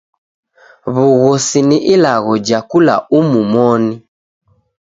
W'ughosi ni ilagho ja kula umu moni.